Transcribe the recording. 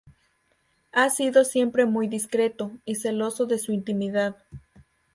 Ha sido siempre muy discreto y celoso de su intimidad.